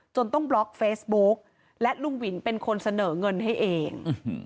ต้องบล็อกเฟซบุ๊กและลุงวินเป็นคนเสนอเงินให้เอง